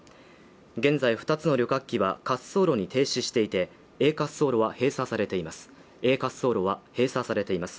現在二つの旅客機は滑走路に停止していて滑走路は閉鎖されています